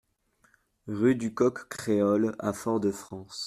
Rue du Coq Créole à Fort-de-France